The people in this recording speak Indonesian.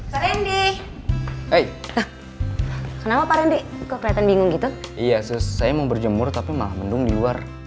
hai hai kenapa pak rendy kelihatan bingung gitu iya saya mau berjemur tapi malah mendung di luar